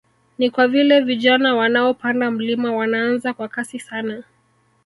Ni kwa vile vijana wanaopanda mlima wanaanza kwa kasi sana